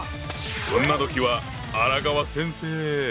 そんな時は荒川先生！